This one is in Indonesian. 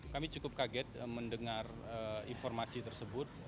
kami cukup kaget mendengar informasi tersebut